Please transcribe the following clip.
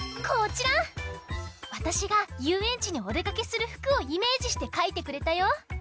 わたしがゆうえんちにおでかけするふくをイメージしてかいてくれたよ。